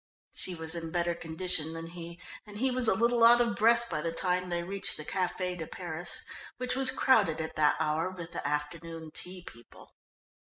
She was in better condition than he, and he was a little out of breath by the time they reached the Café de Paris, which was crowded at that hour with the afternoon tea people.